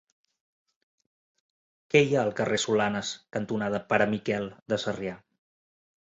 Què hi ha al carrer Solanes cantonada Pare Miquel de Sarrià?